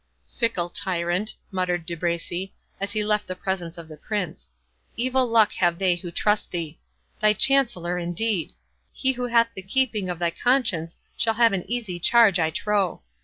"Fickle tyrant!" muttered De Bracy, as he left the presence of the Prince; "evil luck have they who trust thee. Thy Chancellor, indeed!—He who hath the keeping of thy conscience shall have an easy charge, I trow.